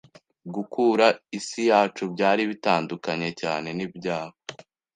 Gukura isi yacu byari bitandukanye cyane nibyawe